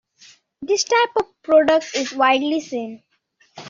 This type of product is widely seen.